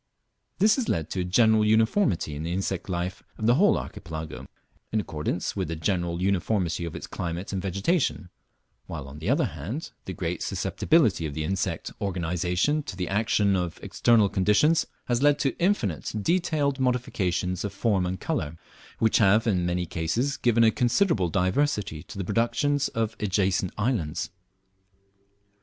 This has led to a general uniformity in the insect life of the whole Archipelago, in accordance with the general uniformity of its climate and vegetation; while on the other hand the great susceptibility of the insect organization to the action of external conditions has led to infinite detailed modifications of form and colour, which have in many cases given a considerable diversity to the productions of adjacent islands.